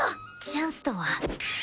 チャンスとは？